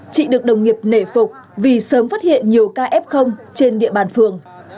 chị được đồng nghiệp nể phục vì sớm phát hiện nhiều ca f trên địa bàn phường